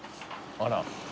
あら。